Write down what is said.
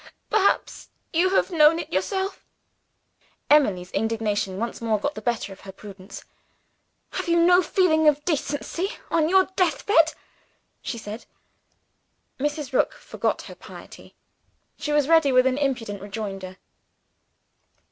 Perhaps you have known it yourself." Emily's indignation once more got the better of her prudence. "Have you no feeling of decency on your death bed!" she said. Mrs. Rook forgot her piety; she was ready with an impudent rejoinder.